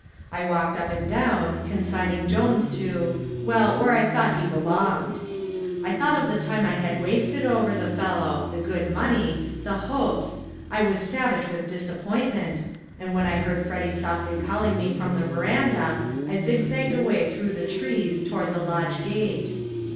I walked up and down, consigning Jones to well, where I thought he belonged. I thought of the time I had wasted over the fellow the good money the hopes I was savage with disappointment, and when I heard Freddy softly calling me from the veranda I zigzagged away through the trees toward the lodge gate.